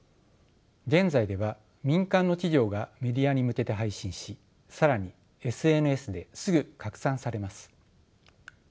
現在では民間の企業がメディアに向けて配信し更にＳＮＳですぐ拡散されます。